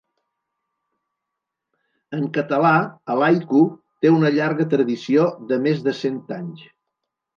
En català el haiku té una llarga tradició de més de cent anys.